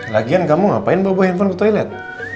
lagian kamu ngapain bawa bawa handphone ke toilet